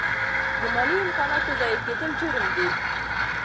د مالي امکاناتو ضایع کیدل جرم دی.